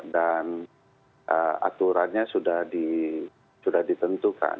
dan aturannya sudah ditentukan